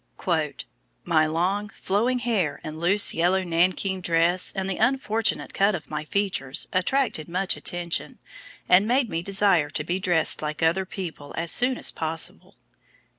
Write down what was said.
"My long, flowing hair, and loose yellow nankeen dress, and the unfortunate cut of my features, attracted much attention, and made me desire to be dressed like other people as soon as possible."